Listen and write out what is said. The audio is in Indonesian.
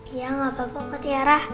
iya gak apa apa kutia rah